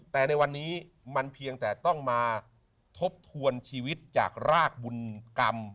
แต่ในวันนี้มันเพียงแต่ต้องมาทบทวนชีวิตจากรากบุญกรรม